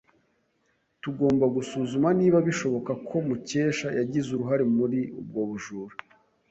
Tugomba gusuzuma niba bishoboka ko Mukesha yagize uruhare muri ubwo bujura.